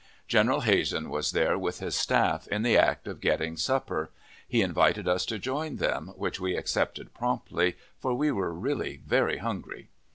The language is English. General Hazen was there with his staff, in the act of getting supper; he invited us to join them, which we accepted promptly, for we were really very hungry.